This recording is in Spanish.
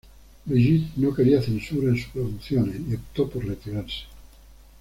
Brigitte no quería censura en sus producciones, y optó por retirarse.